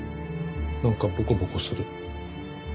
なんかボコボコする。